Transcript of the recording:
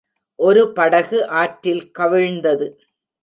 ஒரு படகு ஆற்றில் கவிழ்ந்தது.